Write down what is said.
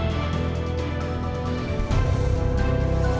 terima kasih ya